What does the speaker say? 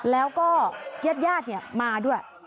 แล้วก็เย็ดเนี่ยมาด้วย